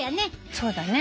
そうだね。